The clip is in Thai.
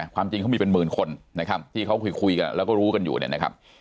ความจริงเขามีเป็นหมื่นคนนะครับที่เขาคุยกันแล้วก็รู้กันอยู่เนี่ยนะครับ